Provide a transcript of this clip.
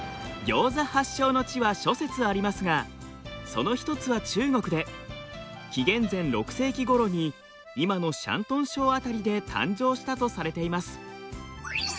ギョーザ発祥の地は諸説ありますがその一つは中国で紀元前６世紀ごろに今の山東省辺りで誕生したとされています。